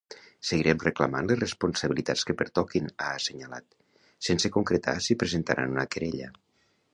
Seguirem reclamant les responsabilitats que pertoquin, ha assenyalat, sense concretar si presentaran una querella.